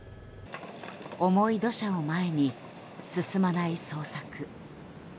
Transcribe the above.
重い土砂を前に、進まない捜索。